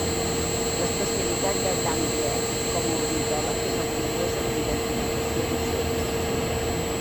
L'especialitat de Gantlett com a ornitòleg és el progrés en la identificació d'ocells.